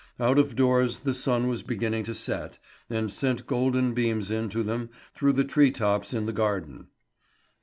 Out of doors the sun was beginning to set, and sent golden beams in to them through the tree tops in the garden.